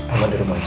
apa di rumah itu